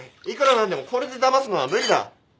いくら何でもこれでだますのは無理だ！